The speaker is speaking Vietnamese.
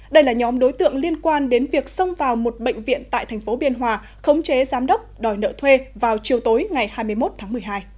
đây là nhóm đối tượng liên quan đến việc xông vào một bệnh viện tại thành phố biên hòa khống chế giám đốc đòi nợ thuê vào chiều tối ngày hai mươi một tháng một mươi hai